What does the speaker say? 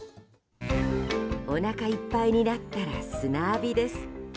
おなかいっぱいになったら砂浴びです。